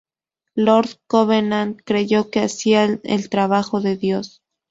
Lord Covenant creyó que hacían el trabajo de Dios.